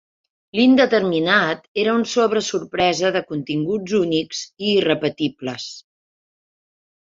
L'indeterminat era un sobre sorpresa de continguts únics i irrepetibles.